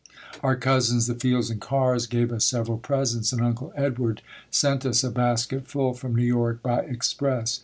Our cousins, the Fields and Carrs, gave us several presents and Uncle Edward sent us a basket full from New York by express.